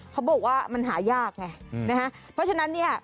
เขาบอกว่ามันหายากไงนะฮะเพราะฉะนั้นเนี่ย